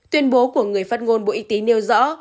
tuyên bố của người phát ngôn bộ y tế nêu rõ